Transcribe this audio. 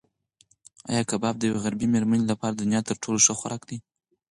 ایا کباب د یوې غریبې مېرمنې لپاره د دنیا تر ټولو ښه خوراک دی؟